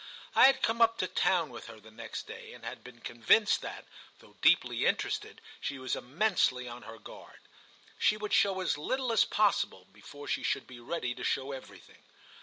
I had come up to town with her the next day and had been convinced that, though deeply interested, she was immensely on her guard. She would show as little as possible before she should be ready to show everything.